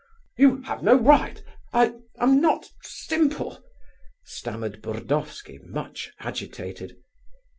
"You have no right.... I am not simple," stammered Burdovsky, much agitated.